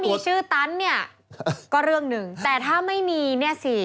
มีชื่อตันเนี่ยก็เรื่องหนึ่งแต่ถ้าไม่มีเนี่ยสิ